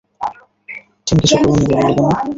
তুমি কিছু করোনি বললে কেন?